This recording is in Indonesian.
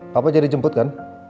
papa jadi jemput kan